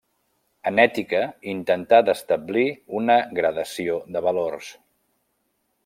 En ètica intentà d’establir una gradació de valors.